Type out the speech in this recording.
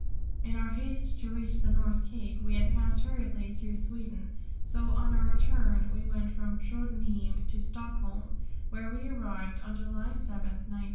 In our haste to reach the North Cape we had passed hurriedly through Sweden, so, on our return we went from Tröndhjem to Stockholm, where we arrived on July 7, 1900.